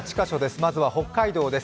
まずは北海道です。